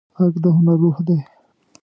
غږ د هنر روح دی